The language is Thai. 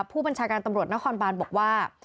ผู้บัญชาการตำรวจนครบานบอกว่า